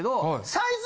サイズ！？